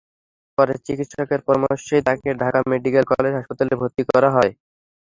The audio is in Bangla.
পরে চিকিৎসকের পরামর্শেই তাঁকে ঢাকা মেডিকেল কলেজ হাসপাতালে ভর্তি করা হয়।